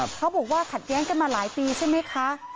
เขาบอกว่าขัดแย้งกันมาหลายปีใช่ไหมคะ